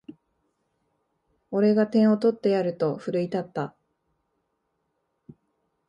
俺が点を取ってやると奮い立った